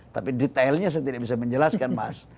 tapi detailnya saya tidak bisa menjelaskan mas